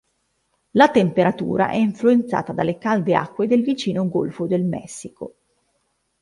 La temperatura è influenzata dalle calde acque del vicino Golfo del Messico.